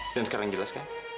dan sekarang jelas kan